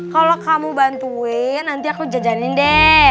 kalau kamu bantuin nanti aku jajanin deh